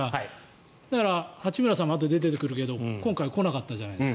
だから、八村さんもあとで出てくるけど今回来なかったじゃない。